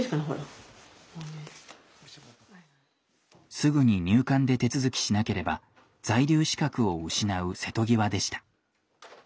すぐに入管で手続きしなければ在留資格を失う瀬戸際でした。